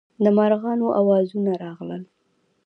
د مارغانو اوازونه راغلل.